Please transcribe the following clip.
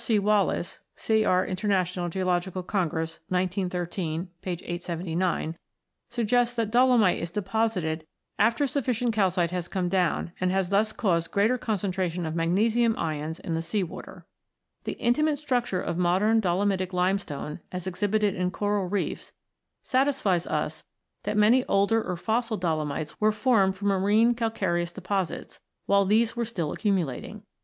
C. Wallace (C. R Internal Geol. Congress, 1913, 879) suggests that dolomite is deposited after suf ficient calcite has come down and has thus causedgreater concentration of magnesium ions in the sea water. The intimate structure of modern dolomitic lime stone, as exhibited in coral reefs, satisfies us that many older or fossil dolomites were formed from marine calcareous deposits while these were still accumulating.